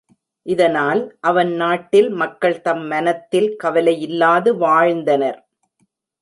இதனால், அவன் நாட்டில், மக்கள் தம் மனத்தில் கவலையில்லாது வாழ்ந்தனர்.